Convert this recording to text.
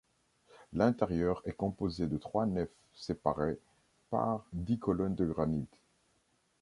L'intérieur est composé de trois nefs séparées par dix colonnes de granit.